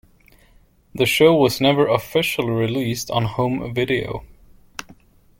The show was never officially released on home video.